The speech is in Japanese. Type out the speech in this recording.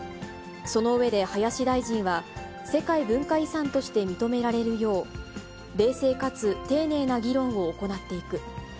その上で林大臣は、世界文化遺産として認められるよう、冷静かつ丁寧な議論を行っていく。